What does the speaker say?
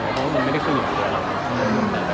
จริงที่บอกนั้นผมไม่ได้คิดเหลืออยู่หรอก